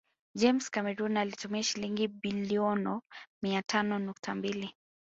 James Cameroon alitumia Shilingi biliono mia tano nukta mbili